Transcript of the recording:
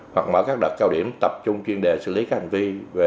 hoặc mở các đợt cao điểm tập trung chuyên đề xử lý các hành vi